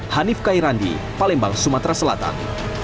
hanif kairandi palembang sumatera selatan